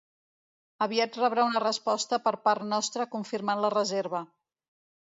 Aviat rebrà una resposta per part nostra confirmant la reserva.